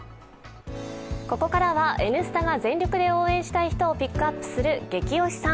ここからは「Ｎスタ」が全力で応援したい人をピックアップするゲキ推しさん。